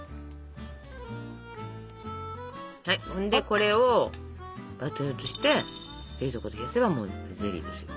これをバットに移して冷蔵庫で冷やせばもうゼリーですよ。